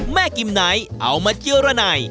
แม่กิมนายเอามาเจียวระไน